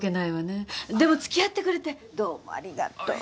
でも付き合ってくれてどうもありがとう。